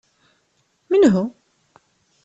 Menhu?